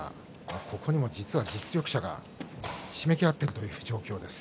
ここにも、実は実力者がひしめき合っているという状況です。